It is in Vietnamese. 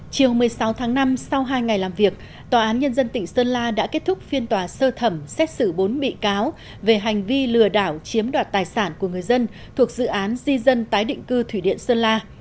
chiều một mươi sáu tháng năm sau hai ngày làm việc tòa án nhân dân tỉnh sơn la đã kết thúc phiên tòa sơ thẩm xét xử bốn bị cáo về hành vi lừa đảo chiếm đoạt tài sản của người dân thuộc dự án di dân tái định cư thủy điện sơn la